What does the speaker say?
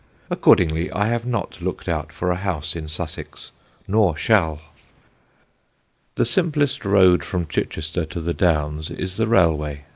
Accordingly, I have not looked out for a house in Sussex, nor shall." The simplest road from Chichester to the Downs is the railway.